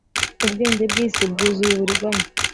Ubwenge bwisi bwuzuye uburiganya